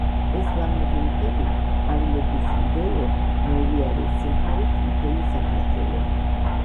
ეს ლამაზი მთები ყვავილების მდელო მოვიარე სიმღრით მთელი საქართველო.